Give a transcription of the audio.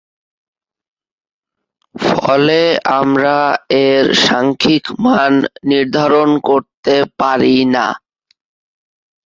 ফলে আমরা এর সাংখ্যিক মান নির্ধারণ করতে পারি না।